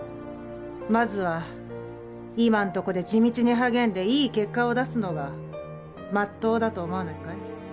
まずは今んとこで地道に励んでいい結果を出すのがまっとうだと思わないかい？